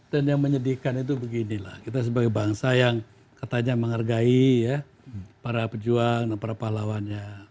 dan yang menyedihkan itu beginilah kita sebagai bangsa yang katanya menghargai ya para pejuang dan para pahlawan